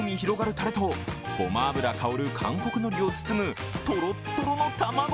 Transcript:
たれとごま油香る韓国のりを包むとろっとろの卵。